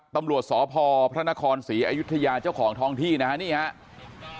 ตำรวจสพพระนครศรีอยุธยาเจ้าของท้องที่นะฮะนี่ครับ